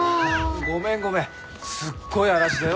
ごめんごめんすっごい嵐だよ